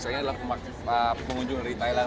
sebenarnya adalah pengunjung dari thailand